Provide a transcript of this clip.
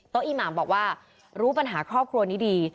อี้หมางบอกว่ารู้ปัญหาครอบครัวนี้ดี